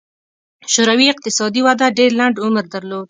شوروي اقتصادي وده ډېر لنډ عمر درلود.